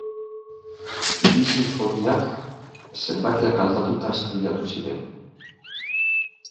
Bi sinfoniak zenbakiak aldatuta estreinatu ziren.